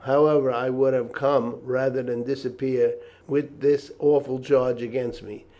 However, I would have come rather than disappear with this awful charge against me.